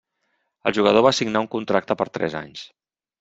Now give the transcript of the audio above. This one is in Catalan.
El jugador va signar un contracte per tres anys.